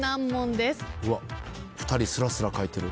うわっ２人すらすら書いてる。